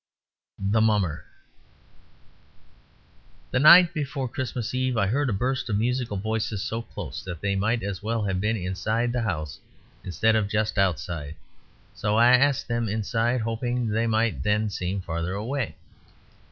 THE MUMMER The night before Christmas Eve I heard a burst of musical voices so close that they might as well have been inside the house instead of just outside; so I asked them inside, hoping that they might then seem farther away.